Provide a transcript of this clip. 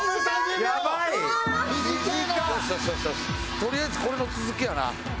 とりあえずこれの続きやな。